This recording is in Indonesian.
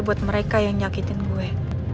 buat mereka yang nyakitin gue